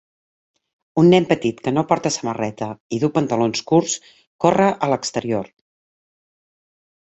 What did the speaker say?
Un nen petit que no porta samarreta i du pantalons curts corre a l'exterior.